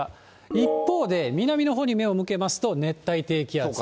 一方で、南のほうに目を向けますと、熱帯低気圧という。